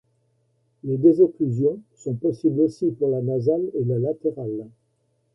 Les désocclusions sont possibles aussi pour la nasale et la latérale.